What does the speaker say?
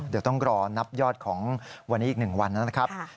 เดี๋ยวต้องรอนับยอดของวันนี้อีก๑วันนะครับ